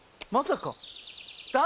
まさか。